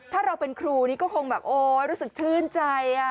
ถ้าเราเป็นครูนี่ก็คงแบบโอ๊ยรู้สึกชื่นใจ